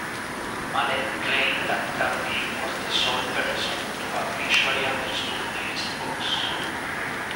Malet claimed that Tardi was the sole person to have visually understood his books.